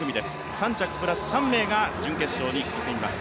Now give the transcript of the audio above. ３着プラス３名が準決勝に進みます。